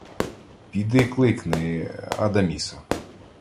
— Піди кликни... Адаміса.